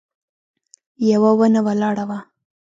يوه ونه ولاړه وه.